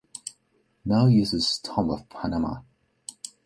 Now uses stamps of Panama.